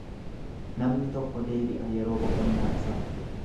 Namni tokko deebi'a yeroo boqonnaa.